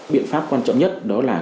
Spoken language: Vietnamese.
biện pháp quan trọng nhất đó là